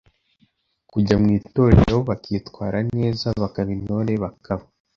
kujya mu itorero, bakwitwara neza bakaba Intore, bakaba